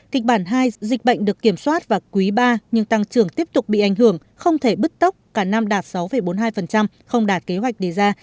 kịch bản hai dịch bệnh được kiểm soát và quý iii nhưng tăng trưởng tiếp tục bị ảnh hưởng không thể bứt tốc cả năm đạt sáu bốn mươi hai không đạt kế hoạch đề ra